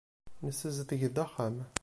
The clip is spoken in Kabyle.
Nessazdeg-d axxam.